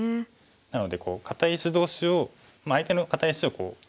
なので堅い石同士を相手の堅い石を追いやって。